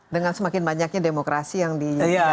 dengan semakin banyaknya demokrasi yang dihalangkan oleh dunia